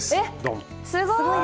すごい！